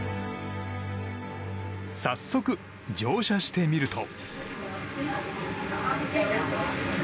早速、乗車してみると。